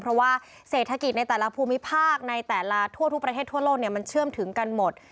เพราะว่าเศรษฐกิจในแต่ละภูมิภาคในแต่ละทั่วทุกประเทศทั่วโลกมันเชื่อมถึงกันหมด